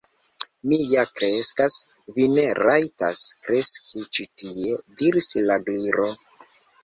"Mi ja kreskas." "Vi ne rajtas kreski tie ĉi," diris la Gliro.